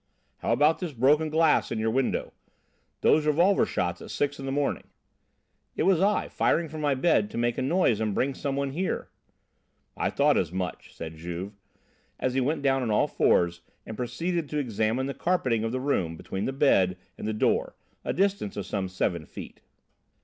"How about this broken glass in your window? Those revolver shots at six in the morning?" "It was I, firing from my bed to make a noise and bring some one here." "I thought as much," said Juve, as he went down on all fours and proceeded to examine the carpeting of the room between the bed and the door, a distance of some seven feet.